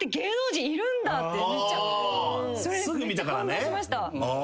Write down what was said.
感動しました。